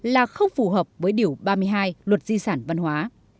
là không phù hợp với điều ba mươi hai luật di sản văn hóa